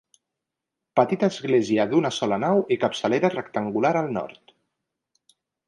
Petita església d'una sola nau i capçalera rectangular al nord.